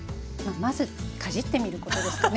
まずかじってみることですかね。